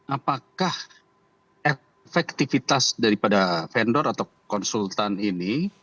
apakah efektivitas dari pada vendor atau konsultan ini